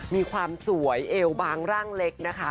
มีความสวยเอวบางร่างเล็กนะคะ